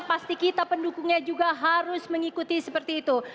pasti kita pendukungnya juga harus mengikuti seperti itu